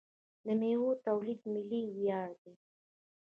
د میوو تولید ملي ویاړ دی.